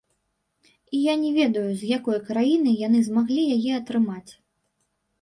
І я не ведаю, з якой краіны яны змаглі яе атрымаць.